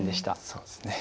そうですね。